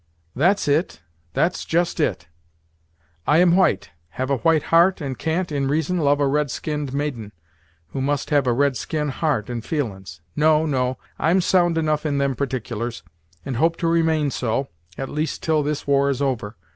"That's it that's just it. I am white have a white heart and can't, in reason, love a red skinned maiden, who must have a red skin heart and feelin's. No, no, I'm sound enough in them partic'lars, and hope to remain so, at least till this war is over.